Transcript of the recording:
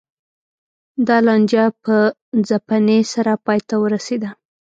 دا لانجه په ځپنې سره پای ته ورسېده.